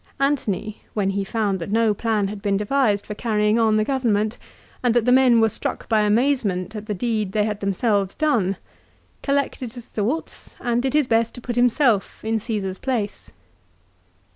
Antony, when he found that no plan had been devised for carrying on the government, and that the men were struck by amazement at the deed they had them selves done, collected his thoughts and did his best to put himself in Caesar's place.